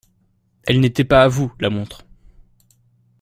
elle n'était pas à vous, la montre.